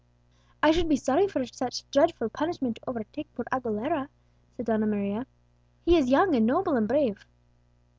"I should be sorry for such dreadful punishment to overtake poor Aguilera," said Donna Maria. "He is young, and noble, and brave."